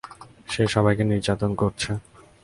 সে সবাইকে নির্যাতন করছে।